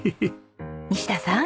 西田さん。